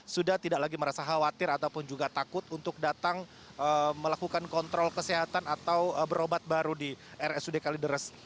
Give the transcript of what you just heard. sudah tidak lagi merasa khawatir ataupun juga takut untuk datang melakukan kontrol kesehatan atau berobat baru di rsud kalideres